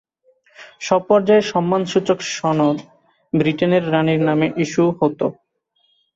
সব পর্যায়ের সম্মানসূচক সনদ ব্রিটেনের রানীর নামে ইস্যু হতো।